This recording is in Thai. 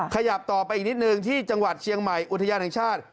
ขยับต่อไปอีกนิดนึงที่จังหวัดเชียงใหม่อุทยานแห่งชาติ